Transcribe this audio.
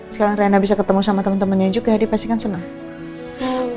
sekarang riana bisa ketemu sama temen temennya juga dia pasti kan senang